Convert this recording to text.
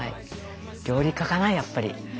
料理家かなやっぱり。